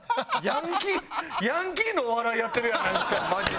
ヤンキーヤンキーのお笑いやってるやないですか。